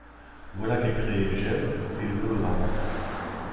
Voilà qu'est créé Jem et les hologrammes.